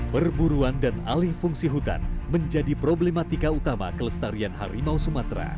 perburuan dan alih fungsi hutan menjadi problematika utama kelestarian harimau sumatera